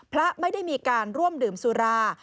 พระไม่ได้มีการร่วมดื่มสุรา